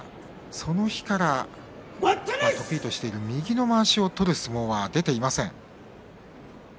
その日から得意としている右のまわしを取る相撲は出ていません。